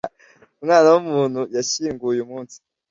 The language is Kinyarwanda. umwana w'umuntu yashyinguwe uyumunsi--